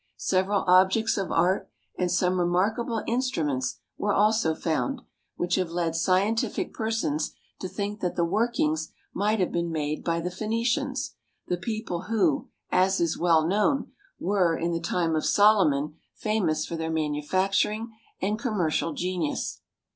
Several objects of art, and some remarkable instruments, were also found, which have led scientific persons to think that the workings might have been made by the Phoenicians, the people who, as is well known, were, in the time of Solomon, famous for their manufacturing and commercial genius.